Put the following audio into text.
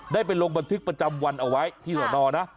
ได้ไปลงบันทึกประจำวันเอาไว้ที่สอนอนะ